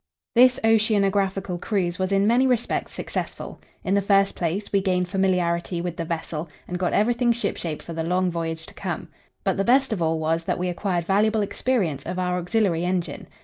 This oceanographical cruise was in many respects successful. In the first place, we gained familiarity with the vessel, and got everything shipshape for the long voyage to come; but the best of all was, that we acquired valuable experience of our auxiliary engine.